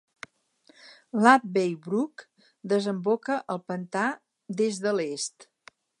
L'Abbey Brook desemboca al pantà des de l'est.